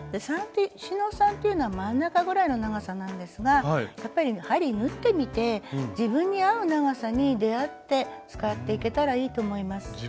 四ノ三というのは真ん中ぐらいの長さなんですがやっぱり針縫ってみて自分に合う長さに出会って使っていけたらいいと思います。